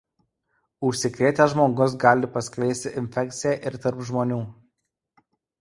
Užsikrėtęs žmogus gali paskleisti infekciją ir tarp žmonių.